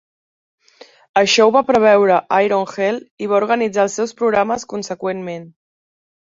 Això ho va preveure Iron Heel i va organitzar els seus programes conseqüentment.